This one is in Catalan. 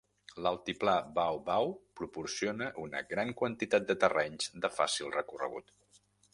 L'altiplà Baw Baw proporciona una gran quantitat de terrenys de fàcil recorregut.